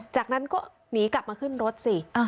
จากนั้นก็หนีกลับมาขึ้นรถสิ